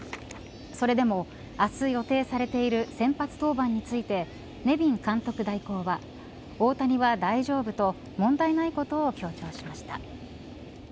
それでも明日予定されている先発登板についてネビン監督代行は大谷は大丈夫と問題ないことを強調しました。